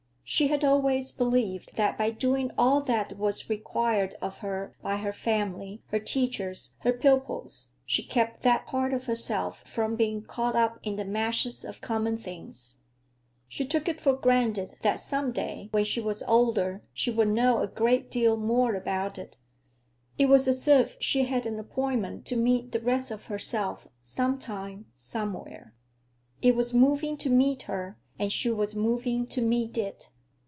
She had always believed that by doing all that was required of her by her family, her teachers, her pupils, she kept that part of herself from being caught up in the meshes of common things. She took it for granted that some day, when she was older, she would know a great deal more about it. It was as if she had an appointment to meet the rest of herself sometime, somewhere. It was moving to meet her and she was moving to meet it.